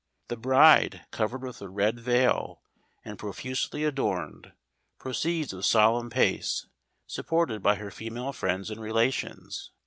The bride covered with a red veil, and pro¬ fusely adorned, proceeds with solemn pace, sup¬ ported by her female friends and relations.